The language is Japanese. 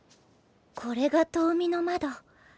これが遠見の窓。